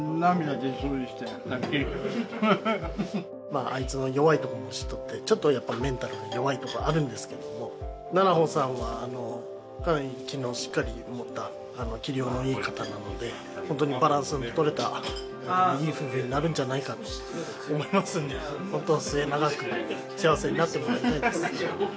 まああいつの弱いところも知っとってちょっとやっぱりメンタルが弱いところあるんですけども虹帆さんはかなり気のしっかり持った器量のいい方なので本当にバランスの取れたいい夫婦になるんじゃないかと思いますので本当末永く幸せになってもらいたいです。